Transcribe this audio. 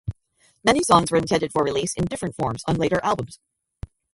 Many songs were intended for release in different forms on later albums.